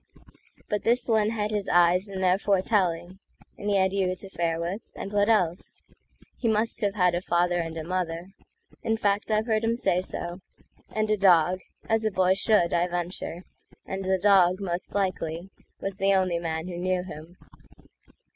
But this one had his eyes and their foretelling, And he had you to fare with, and what else? He must have had a father and a mother—In fact I've heard him say so—and a dog, As a boy should, I venture; and the dog, Most likely, was the only man who knew him.